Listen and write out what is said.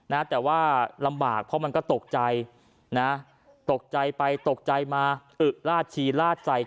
นะแต่ว่าลำบากเพราะมันก็ตกใจนะตกใจไปตกใจมาอึลาดชีลาดใส่